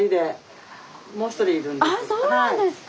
あっそうなんですか。